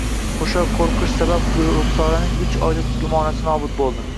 O`sha qo`rqish sabab Ruxsoraning uch oylik gumonasi nobud bo`ldi